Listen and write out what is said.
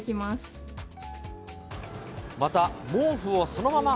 また、毛布をそのまま